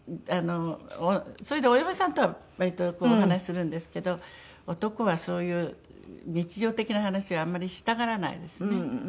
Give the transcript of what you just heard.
それでお嫁さんとは割とお話するんですけど男はそういう日常的な話はあんまりしたがらないですね。